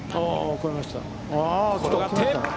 転がって。